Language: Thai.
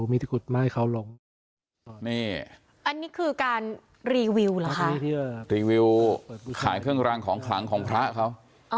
มีถูกเม่าเขาลงนี่คือการรีวิวระคระขายเครื่องรังของขลังของประเขา